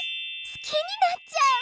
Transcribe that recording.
すきになっちゃう！